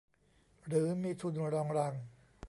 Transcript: หรือมีทุนรองรัง